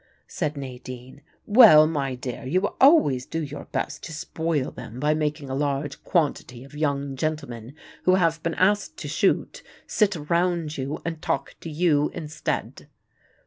said Nadine. "Well, my dear, you always do your best to spoil them by making a large quantity of young gentlemen, who have been asked to shoot, sit round you and talk to you instead."